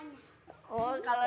gak ada wn